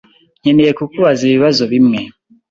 Nkeneye kukubaza ibibazo bimwe.